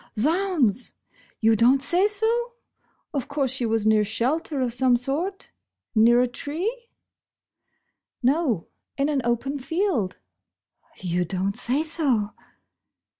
" Z'hounds ! You don't say so ? Of course she was near shelter of some sort ? Near a tree ?"" No, in an open field." "You don't say so?"